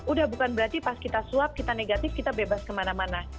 udah bukan berarti pas kita swab kita negatif kita bebas kemana mana